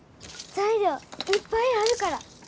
材料いっぱいあるから。